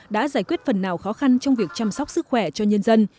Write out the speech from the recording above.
đã giải quyết phần nào khó khăn trong việc chăm sóc sức khỏe cho nhân dân